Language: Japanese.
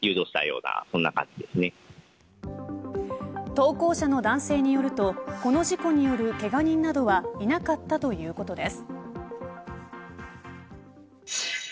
投稿者の男性によるとこの事故による、けが人などはいなかったということです。